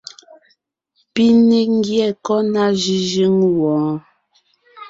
Pi ne ńgyɛ́ kɔ́ ná jʉ́jʉ́ŋ wɔɔn?